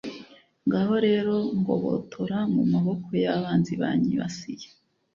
ngaho rero ngobotora mu maboko y'abanzi banyibasiye